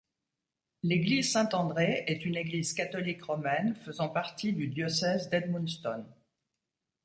L'église Saint-André est une église catholique romaine faisant partie du diocèse d'Edmundston.